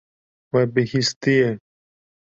We bihîstiye.